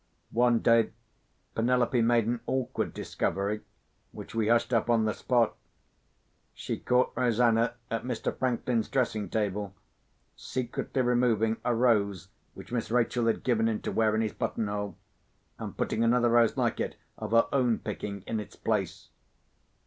One day Penelope made an awkward discovery, which we hushed up on the spot. She caught Rosanna at Mr. Franklin's dressing table, secretly removing a rose which Miss Rachel had given him to wear in his button hole, and putting another rose like it, of her own picking, in its place.